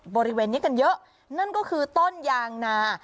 บริเวณนี้กันเยอะนั่นก็คือต้นยางนา